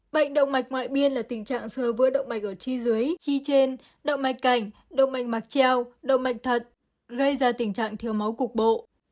bệnh động mạch ngoại biên là tình trạng sờ vỡ động mạch ở chi dưới chi trên động mạch cảnh động mạch mạc treo động mạch thật gây ra tình trạng thiếu máu cục bộ